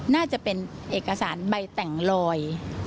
น่าจะเป็นเอกสารใบแต่งลอย